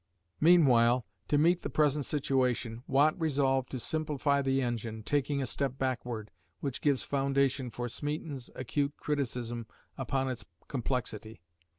Meanwhile, to meet the present situation, Watt resolved to simplify the engine, taking a step backward, which gives foundation for Smeaton's acute criticism upon its complexity.